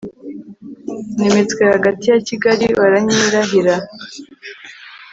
nimitswe hagati ya kigali baranyirahira